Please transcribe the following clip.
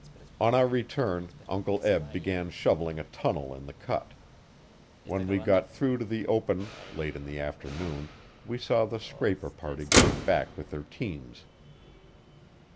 On our return, Uncle Eb began shoveling a tunnel in the cut. When we got through to the open late in the afternoon we saw the scraper party going back with their teams.